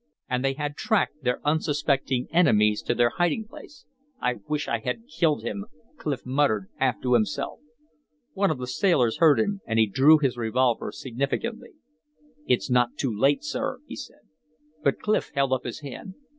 And they had tracked their unsuspecting enemies to their hiding place. "I wish I had killed him!" Clif muttered half to himself. One of the sailors heard him, and he drew his revolver significantly. "It's not too late, sir," he said. But Clif held up his hand.